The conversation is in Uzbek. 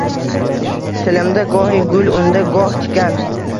Tilimda gohi gul undi, goh tikan